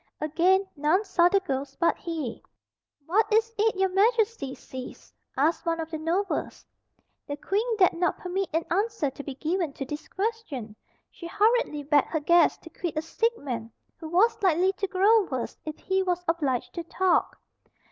Again none saw the ghost but he. "What is it your Majesty sees?" asked one of the nobles. The Queen dared not permit an answer to be given to this question. She hurriedly begged her guests to quit a sick man who was likely to grow worse if he was obliged to talk.